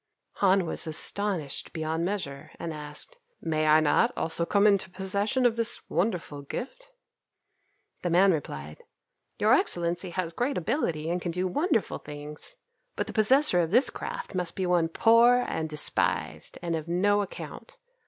Han was astonished beyond measure, and asked, "May I not also come into possession of this wonderful gift?" The man replied, "Your Excellency has great ability, and can do wonderful things; but the possessor of this craft must be one poor and despised, and of no account.